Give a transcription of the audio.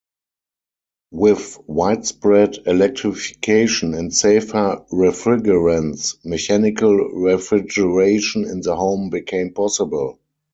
With widespread electrification and safer refrigerants, mechanical refrigeration in the home became possible.